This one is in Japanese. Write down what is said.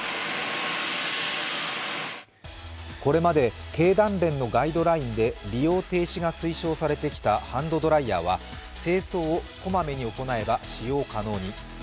これまで経団連のガイドラインで利用停止が推奨されてきたハンドドライヤーや清掃をこまめに行えば使用可能に。